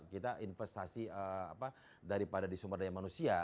kita investasi daripada di sumber daya manusia